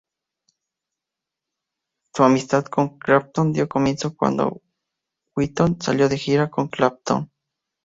Su amistad con Clapton dio comienzo cuando Whitlock salió de gira con Clapton.